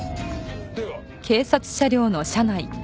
では。